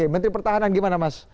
menteri pertahanan gimana mas